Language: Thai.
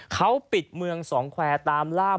เขาปิดเมืองสองแควร์ตามล่าม